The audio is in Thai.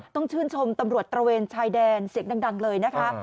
ต้องชื่นชมตำรวจตระเวนชายแดนเสียงดังเลยนะคะ